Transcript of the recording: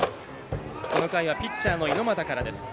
この回はピッチャーの猪俣からです。